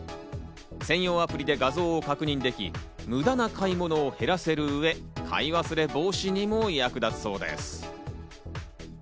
専用アプリで画像を確認でき、無駄な買い物を減らせる上、買い忘れ防止にも役立つそうです。